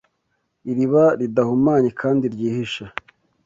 Iriba ridahumanye kandi ryihishe